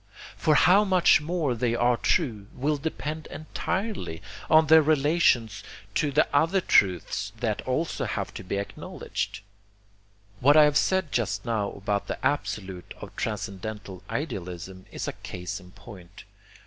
FOR HOW MUCH MORE THEY ARE TRUE, WILL DEPEND ENTIRELY ON THEIR RELATIONS TO THE OTHER TRUTHS THAT ALSO HAVE TO BE ACKNOWLEDGED. What I said just now about the Absolute of transcendental idealism is a case in point.